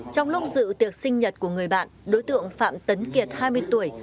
trong lúc dự tiệc sinh nhật của người bạn đối tượng phạm tấn kiệt hai mươi tuổi